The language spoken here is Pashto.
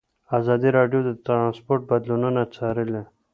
ازادي راډیو د ترانسپورټ بدلونونه څارلي.